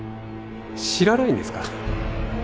知らないんですか？